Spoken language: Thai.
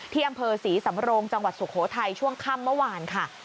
ที่อำเภอศรีสำโรงจังหวัดสุโขทัยช่วงค่ำเมื่อวานค่ะ